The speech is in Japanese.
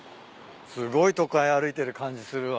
すごい都会歩いてる感じするわ。